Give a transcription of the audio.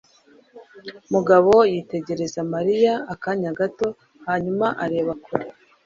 Mugabo yitegereza Mariya akanya gato hanyuma areba kure.